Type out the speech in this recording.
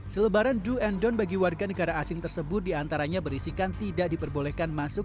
selebaran do and don bagi warga negara asing tersebut diantaranya berisikan tidak diperbolehkan masuk